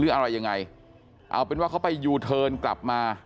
อะไรยังไงเอาเป็นว่าเขาไปยูเทิร์นกลับมา